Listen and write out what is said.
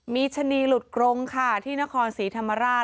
มีชะนีหลุดกรงค่ะที่นครศรีธรรมราช